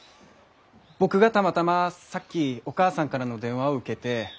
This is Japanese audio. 僕がたまたまさっきお母さんからの電話を受けて。